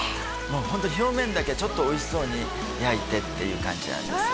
ホント表面だけちょっとおいしそうに焼いてっていう感じなんです